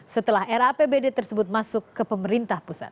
setelah era apbd tersebut masuk ke pemerintah pusat